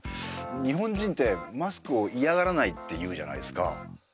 日本人ってマスクを嫌がらないっていうじゃないですか。